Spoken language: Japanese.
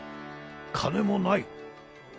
金もない。